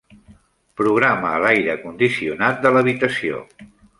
Programa l'aire condicionat de l'habitació.